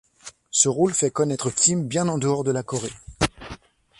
Ce rôle fait connaître Kim bien en dehors de la Corée.